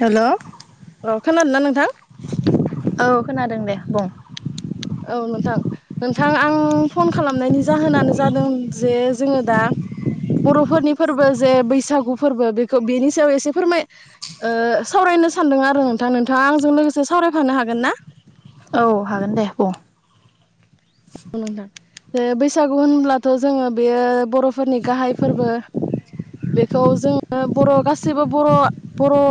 हेल' औ खोनादोंना नोंथां? खोनादों दे बुं औ नोंथां नोंथां आं फन खालामनायनि जाहोनानो जादों जे जोङो दा बर'फोरनि फोरबो जे बैसागु फोरबो बेखौ बेनि सायाव एसे फोरमाय ओ सावरायनो सानदों आरो नोंथां नोंथाङा आंजों लोगोसे सावरायफानो हागोन ना? औ हागोन दे बुं। अ नोंथां। बे बैसागु होनब्लाथ' जोङो बेयो बर'फोरनि गाहाय फोरबो बेखौ जोङो बर' गासैबो बर' बर' ओ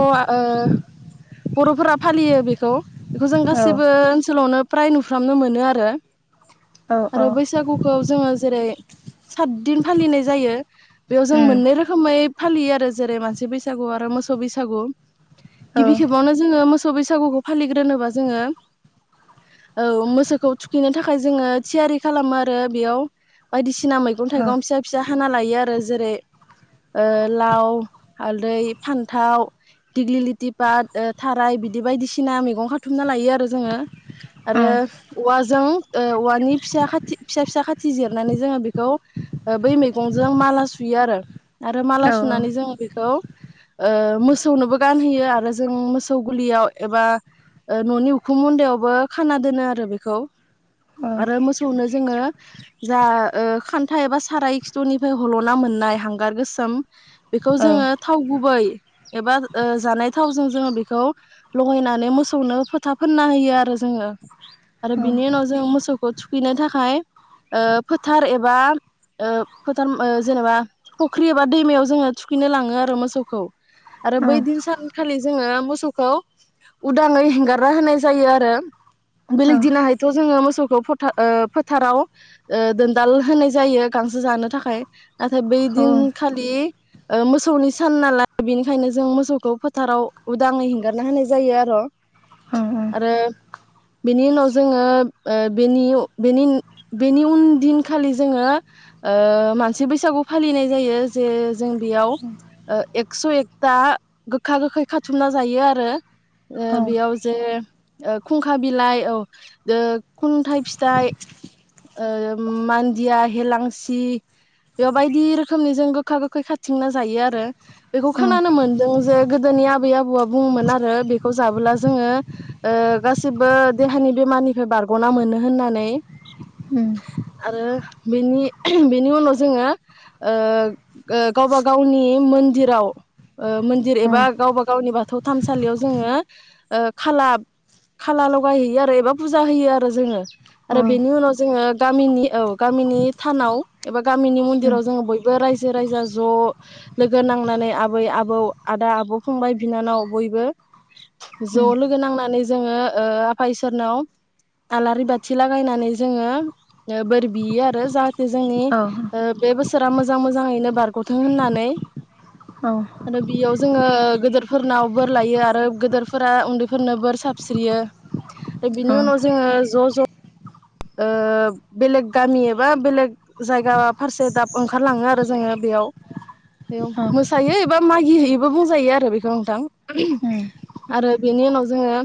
बर'फोरा फालियो बेखौ। बेखौ जों औ गासैबो ओनसोलावनो फ्राय नुफ्रामनो मोनो आरो। औ औ आरो बैसागुखौ जोङो जेरै सातदिन फालिनाय जायो। [inaudible] उम फालियो आरो जेरै मानसि बैसागु आरो मोसौ बैसागु। औ। गिबि खेबावनो जोङो मोसौ बैसागुखौ फालिग्रोनोबा जोङो औ मोसौखौ थुखैनो थाखाय जोङो थियारि खालामो आरो बेयाव बायदिसिना मैगं उम थाइगं फिसा फिसा हाना लायो आरो जेरै ओ लाव हालदै फान्थाव दिग्लिलिथि बाद थाराय बिदि बायदिसिना मैगं खाथुमना लायो आरो जोङो औ आरो औवाजों ओ औवानि फिसा खाथि फिसा फिसा खाथि जिरनानै जोङो बेखौ ओ बै मैगंजों माला सुयो आरो। आरो माला औ सुनानै जोङो बेखौ ओ मोसौनोबो गानहोयो आरो जों मोसौ गुलियाव एबा ओ न'नि उखुम मुन्दायावबो खाना दोनो आरो बेखौ औ आरो मोसौनो जोङो जा ओ खान्था एबा साराय खिथुनिफ्राय हल'ना मोननाय हांगार गोसोम बेखौ औ जोङो थाव गुबै एबा ओ जानाय थावजों जोङो बेखौ लगायनानै मोसौनो फोथा फोनना होयो आरो जोङो आरो बिनि उनाव जों मोसौखौ थुखैनो थाखाय ओ फोथार एबा ओ फोथारम ओ जेनेबा फुख्रि एबा दैमायाव जोङो थुखैनो लाङो आरो मोसौखौ आरो बै दिन सान खालि जोङो मोसौखौ उदाङै हेंगारना होनाय जायो आरो औ बेलेग दिनाहयथ जों मोसौ फोरखौ फोथा ओ फोथाराव ओ दोनदाल होनाय जायो गांसो जानो थाखाय नाथाय बै उम दिनखालि ओ मोसौनि सान नालाय बेनिखायनो जों मोसौखौ फ फोथाराव उदाङै हेंगारना होनाय जायो आर' आरो बेनि उनाव जोङो ओ बेनिउ-बोनिउ बेनि उन दिनखालि जोङो ओ मानसि बैसागु फालिनाय जायो जे जों बेयाव ओ एकस' एकथा गो गोखा गोखै खाथुमना जायो आरो ओ औ उम औ बेयाव जे ओ खुंखा बिलाइ औ खुन्थाइ फिथाइ ओ मान्दिया हेलांसि बेयाव बायदि रोखोमनि जों गोखा गोखै खाथिंना जायो आरो बेखौ खोनानो मोनदों जे गोदोनि आबै आबौआ बुङोमोन आरो बेखौ जाबोला जोङो ओ गासिबो देहानि बेमारनिफ्राय बारग'ना मोनो होननानै। उम। आरो बेनि-बेनि उनाव जोङो ओ ओ गावबा गावनि मन्दिराव मन्दिर एब बा गावबा गावनि बाथौ थानसालियाव जोङो ओ खाला खाला लगायहैयो आरो एबा फुजा होयो आरो जोङो। आरो बेनि उनाव जोङो गामिनि औ गामिनि थानाव एबा गामिनि मन्दिराव जोङो बयबो रायजो राजा ज' लोगो नांनानै आबै आबौ आदा आब' फंबाय बिनानाव बयबो ज' लोगो नांनानै जोङो ओ आफा इसोरनाव आलारि बाथि लागायनानै जोङो बोर बियो आरो जाहाथे जोंनि ओ बे बोसोर फोरा मोजां मोजाङैनो बारग'थों होननानै औ। आरो बेयाव जोङो गोदेरफोरनाव बोर लायो आरो गेदोरफोरा उन्दैफोरनो बोर साबस्रियो । बिनि उनाव जोङो ज' ज' ओ बेलेग गामि एबा बेलेग जायगा फारसे दाब ओंखारलाङो आरो जोङो बेयाव बेयाव मोसायो एबा मागि हैयोबो बुंजायो आरो बेखौ नोंथां आरो बेनि उनाव जोङो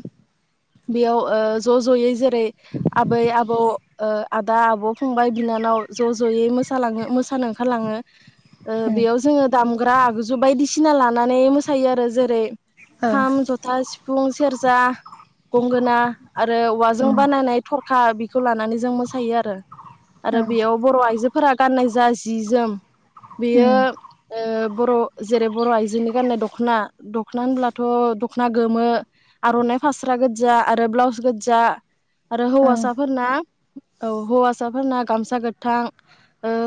बेयाव ज' ज'यै जेरै आबै - आबोव आब', आदा, आब' फंबाय, बिनानाव ज' ज'यै मोसालाङो मोसानो ओंखारलाङो ओ बेयाव जोङो दामग्रा आगजु बायदिसिना लानानै मोसायो आरो जेरै खाम, जथा, सिफुं सिफुं, सेरजा, गंगोना। आरो औवाजों बानायानानै थरखा हा बि बेखौ लानानै जों मोसायो आरो आरो बेयाव बर' आइजोफोरा गाननाय जा जि जोम बियो ओ बर' जेरै बर' आइजोनि गाननाय दख'ना, दख'ना होनब्लाथ' दख'ना गोमो आर'नाइ फास्रा गोजा आरो ब्लाउस गोजा आरो हौवासा फोरना औ हौवासाफोरना गामसा गोथां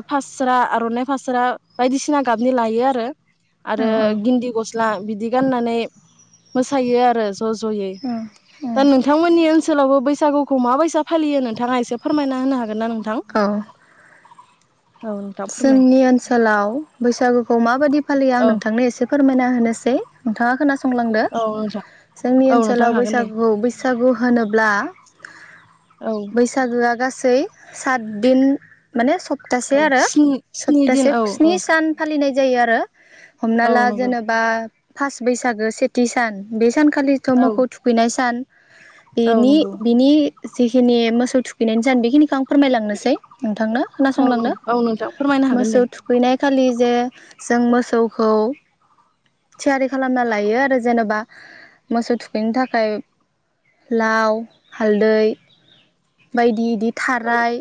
फास्रा आर'नाइ फास्रा बायदिसिना गाबनि लायो आरो, आरो गिन्दि गस्ला बिदि गाननानै मोसायो आरो ज' ज'यै औ दा नोंथांमोननि ओनसोलावबो बैसागुखौ मा बायसा फालियो नोंथाङा एसे फोरमना होनो हागोन ना नोंथां? औ औ नोंथां फोरमाय जोंनि ओनसोलाव बैसागुखौ मा फालियो आं औ नोंथांनो एसे फोरमायना होनोसै नोंथां खोनासं संलांदो औ नोंथां जोंनि औ नोंथां ओनसोलाव हागोन दे बैसागु बैसागु होनोब्ला औ बैसागो गासै साथ दिन माने सप्त स्नि स्नि दिन सप्तासे औ औ स्नि सान फालिनाय जायो आरो। हमना औ ला नंगौ जेनेबा फास बैसागो सेथि सान बे सान खालिथ औ मोखौ थुखैनाय सान औ बिनि नंगौ बिनि जिखिनि मोसौ थुखैनानै जान बेखिनिखौ आं फोरमायलांनोसै नोंथांनो औ खोनासंलांदो। औ नोंथां फोरमायनो हागोन दे। मोसौ थुखैनाय खालि जे जों मोसौखौ थियारि खालामना लायो आरो जेनेबा मोसौ थुखैनो थाखाय लाव, हालदै बायदि औ थाराय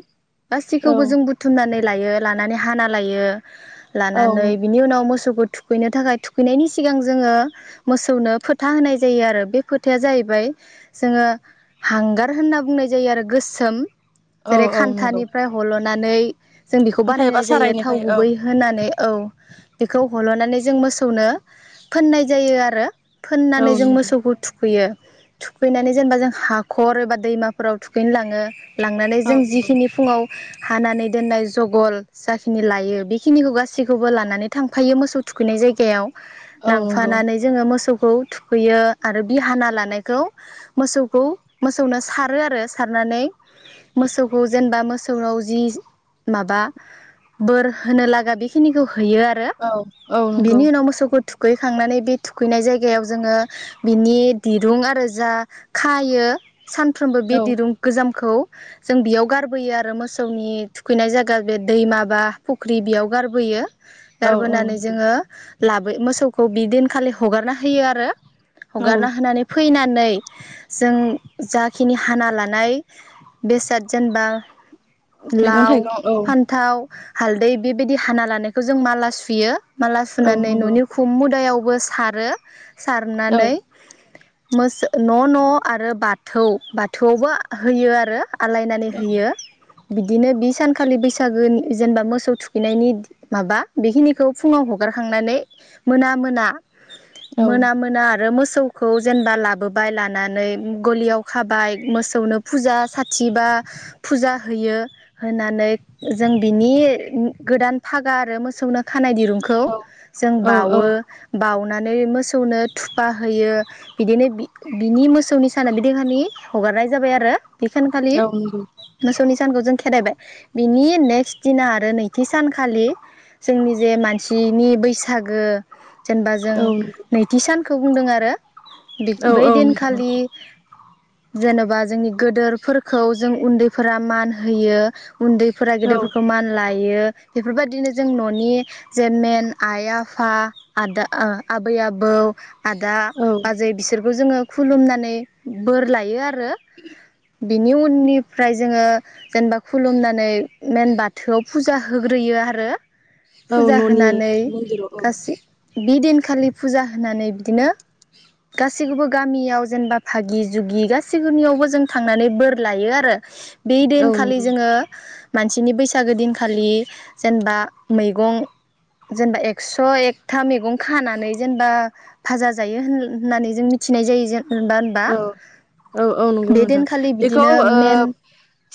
औ गासैखौबो जों बुथुमनानै लायो। लानानै हाना लायो। औ लानानै बिनि उनाव मोसौखौ थुखैनो थाखाय थुखैनायनि सिगां जोङो मोसौनो फोथा होनाय जायो आरो बे फोथाया जाहैबाय जोङो हांगार होनना बुंनाय जायो आरो गोसोम। औ जेरै औ नंगौ खान्थानिफ्राय हलन नानै खौ खान्था एबा बानायनाय जायो थाव सारायनिफ्राय औ गुबै होनानै औ बेखौ हल'नानै जों मोसौनो फोननाय जायो आरो। औ फोननानै जों नोंथां मोसौखौ थुखैयो। थुखैनानै जेनेबा जों हा खर एबा दैमाफोराव थुखैनोलाङो। लांनानै औ जों नंगौ जिखिनि फुङाव हानानै दोननाय। जगल जाखिनि लायो बेखिनिखौ गासैखौबो लानानै थांफायो मोसौ थुखैनाय जायगायाव औ नंगौ लांफानानै जोङो मोसौ खौ थुखैयो आरो बि हाना लानायखौ मोसौखौ मोसौनो सारो आरो सारनानै मोसौखौ जेनेबा मोसौ फोराव जि माबा बोर होनो लागा बेखिनिखौ हैयो आरो औ औ नंगौ बिनि उनाव मोसौखौ थुखैखांनानै बे थुखैनाय जायगायाव जोङो बिनि दिरुं आरो जा खायो सानफ्रोमबो बे औ दिरुं गोजाम खौ जों बेयाव गारबोयो आरो मोसौनि थुखैनाय जायगा बे दैमाबा फुख्रि बेयाव गारबोयो। औ औ गारबोनानै नंगौ जोङो लाबो मोसौखौ बिदिनखालि हगारना होयो आरो औ हगारना होनानै फैना नै जों जाखिनि हाना लानाय बेसाद जेनेबा लाव मैगं-थाइगं फान्थाव हालदै बेबायदि हाना लानायखौ जों माला सुयो। माला औ सुनानै नंगौ न'नि उखुम मुदायाव बो सारो औ सारनानै मोस न' न' आरो बाथौ बाथौआवबो होयो आरो आलायनानै होयो। बिदिनो बि सान खालि बैसागो जेनेबा मोसौ थुखैनायनि माबा बेखिनिखौ फुङाव हगारखांनानै मोना मोना औ मोना मोना आरो मोसौ मोसौखौ जेनेबा लाबोबाय लानानै गलियाव खाबाय मोसौनो फुजा साथिबा फुजा होयो [unintelligible] जों बिनि गोदान फागा आरो मोसौनो खानाय दिरुंखौ जों औ बावो [unintelligible] [unintelligible] मोसौनो थुफा होयो बिदिनो बिनि मोसौनि साना बिदिहानि हगारनाय जाबाय आरो बेखान खालि औ नंगौ [unintelligible] सानखौ जों खेदायबाय बिनि नेक्स्ट दिना आरो नैथि सानखालि जोंनि जे मानसिनि बैसागो जेनबा जों औ नंगौ नैथि सान [unintelligible] बुंदों आरो औ [unintelligible] औ बैदिन नोंथां नंगौ खालि जेन'बा जोंनि गोदोरफोरखौ जों उन्दैफोरा मान होयो। उन्दैफोरा औ गेदेरफोरखौ मानलायो। [unintelligible] बेफोरबायदिनो जों न'नि जे मेन आइ- आफा, आदा, आबै- आबौ आदा -बाजै बिसोरखौ जोङो खुलुमनानै बोर लायो आरो। [unintelligible] बिनि उननिफ्राय जोङो जेनबा खुलुमनानै मेन बाथोआव फुजा होग्रोयो आरो। औ न'नि मन्दिराव औ बिदिनखालि फुजा होनानै बिदिनो गासैखौबो गामियाव जेनबा भागि जुगि गासैबोनियावबो जों थांनानै बोर लायो आरो। बि औ औ देनखालि नंगौ मानसिनि बैसागो दिनखालि जेनबा मैगं जेनबा एकस' एकथा मैगं खानानै जेनबा भाजा जायो हो -होननानै जों मिथिनाय जायो। जेनेबा होनबा औ औ औ नंगौ बे नोंथां दिनखालि बेखौ बिदिनो ओ मेन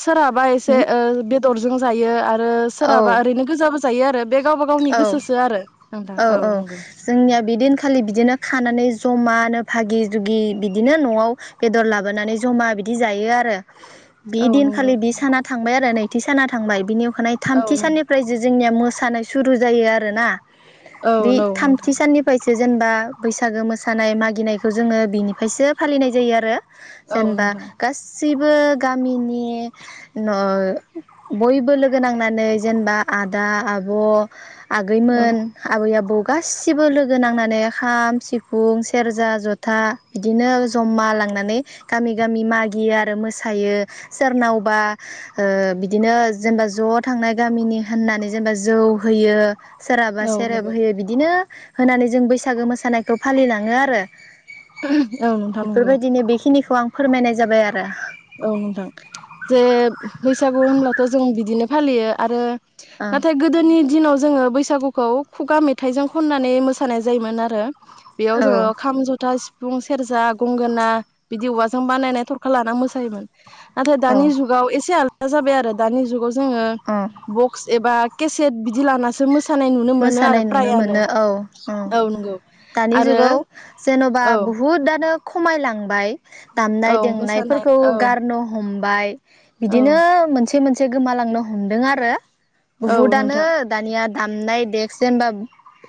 सोराबा एसे [unintelligible] बेदरजों जायो आरो [unintelligible] सोरहाबा औ ओरैनो गोजाबो [unintelligible] [unintelligible] बे गावबा गावनि औ गोसोसो आरो। नोंथां औ औ नंगौ जोंनिया बि दिन [unintelligible] [unintelligible] बिदिनो खानानै जमानो भागि जुगि बिदिनो न'आव बेदर लाबोनानै जमा बिदि जायो आरो। औ बिदिन नंगौ खालि बि साना थांबाय आरो नैथि साना थांबाय बिनि अखानायै औ थामथि नंगौ साननिफ्राय जोंनिया मोसौ मोसानाय सुरु जायो आरोना। औ बे नौ नोंथां थामथि साननिफ्राय जे जेनेबा बैसागो मोसानाय मागिनायखौ जोङो बिनिफ्रायसो फालिनाय जायो आरो। औ जेनबा नोंथां गासै गासैबो गामिनि बयबो लोगो नांनानै जेनेबा आदा आब'। औ आगैमोन। आबै आबौ गासिबो लोगो नांनानै खाम सिफुं सेरजा जथा बिदिनो जमा लांनानै गामि गामि मागियो आरो मोसायो सोरनावबा बिदिनो जेनेबा ज' थांनाय गामिनि होननानै जेनेबा जौ होयो। सोराबा। औ सेरेब नंगौ होयो बिदिनो। होनानै जों बैसागो मोसानायखौ फालिलाङो आरो। औ नोंथां नंगौ बेफोरबायदिनो बेखिनिखौ आं। फोरमायनाय जाबाय आरो। औ नोंथां जे बैसागु होनब्लाथ' जों बिदिनो फालियो आरो। ओं नाथाय गोदोनि। दिनाव जोङो बैसागुखौ खुगा मेथाइजों खननानै मोसानाय जायोमोन आरो। बेयाव जोङो औ खाम जथा। सिफुं सेरजा गंगोना बिदि औवाजों बानायनाय थरखा लाना मोसा योमोन। नाथाय औ दानि जुगाव एसे आला दा जाबाय आरो दानि जुगाव। जोंङो अ बक्स एबा। केसेट बिदि लानासो मोसा मोसानाय नुनो मोनो आरो मोसानाय नुनो फ्रायानो मोनो औ औ नंगौ। दानि आरो जुगाव जेन'बा औ बुहुत आनो खमायलांबाय। दामनाय औ मोसानाय देनायफोरखौ औ गारनो हम बाय। औ बिदिनो मोनसे मोन से गोमालांनो हमदों आरो। औ बहुदआनो नोंथां दानिया दामनाय देक्स जेनेबा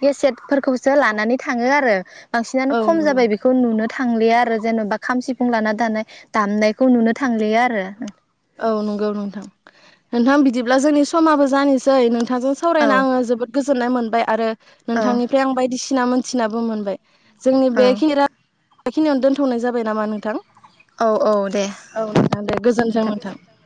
गसेटफोरखौसो लानानै थाङो आरो। बांसिनानो औ खम नंगौ जाबाय बेखौ नुनो थांलिया आरो जेन'बा खाम सिफुं लाना दानाय दामनायखौ नुनो थांलिया आरो। औ नंगौ नोंथां नोंथां बिदिब्ला जोंनि समाबो जानोसै नों थाजों औ सावरायना आङो जोबोद गोजो ननाय मोनबाय आरो औ नोंथांनिफ्राय आं बायदिसि थिना मोनथिनाबो मोनबाय। जोंनि औ बे खेरा बेखिनियावनो दोनथ'नाय जाबाय नामा नोंथां? औ औ दे औ नोंथां दे नोंथां गोजोन्थों।